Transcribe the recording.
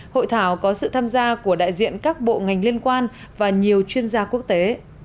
hội thảo có sự tham gia của đại diện các bộ ngành liên quan và nhiều chuyên gia quốc tế